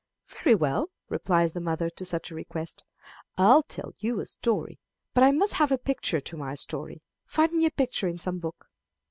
"Very well," replies the mother to such a request, "I'll tell you a story; but I must have a picture to my story. Find me a picture in some book."